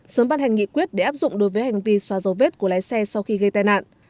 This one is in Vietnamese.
sớm ban hành nghị quyết để áp dụng đối với hành vi xóa dấu vết của lái xe sau khi gây tai nạn